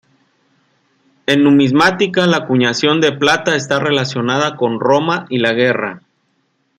En numismática la acuñación de plata está relacionada con Roma y la guerra.